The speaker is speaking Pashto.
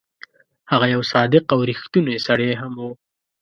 هغه یو صادق او ریښتونی سړی هم وو.